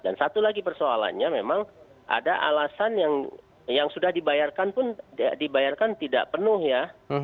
dan satu lagi persoalannya memang ada alasan yang sudah dibayarkan pun dibayarkan tidak penuh ya